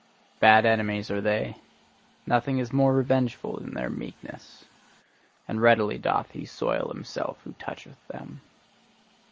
Bad enemies are they: nothing is more revengeful than their meekness. And readily doth he soil himself who toucheth them.